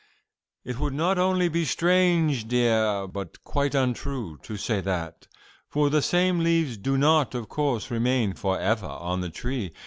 "It would not only be strange, dear, but quite untrue, to say that; for the same leaves do not, of course, remain for ever on the tree.